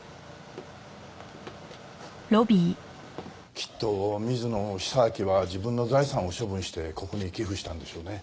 きっと水野久明は自分の財産を処分してここに寄付したんでしょうね。